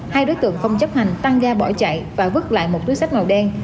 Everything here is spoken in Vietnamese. hai đối tượng không chấp hành tăng ga bỏ chạy và vứt lại một túi sách màu đen